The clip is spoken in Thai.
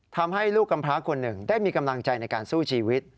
ทำให้ลูกกำพร้าคนหนึ่งได้มีกำลังใจในการสู้ชีวิต